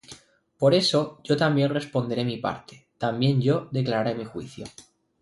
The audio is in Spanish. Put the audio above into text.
Por eso yo también responderé mi parte, También yo declararé mi juicio.